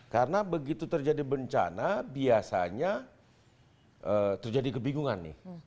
karena begitu terjadi bencana biasanya terjadi kebingungan